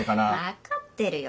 分かってるよ